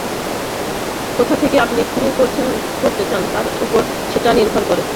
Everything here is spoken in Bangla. কোথা থেকে আপনি শুরু করতে চান, তার ওপর সেটা নির্ভর করে।